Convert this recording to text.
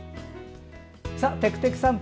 「てくてく散歩」。